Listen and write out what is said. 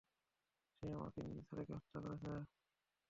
সে আমার তিন ছেলেকে হত্যা করেছে।